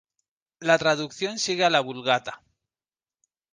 La traducción sigue a la Vulgata.